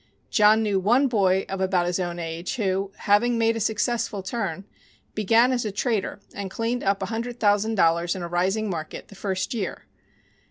John knew one boy of about his own age, who, having made a successful turn, began as a trader and cleaned up a hundred thousand dollars in a rising market the first year.